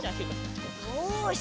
よし！